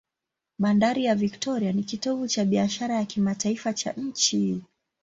Bandari ya Victoria ni kitovu cha biashara ya kimataifa cha nchi.